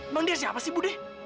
emang dia siapa sih bu deh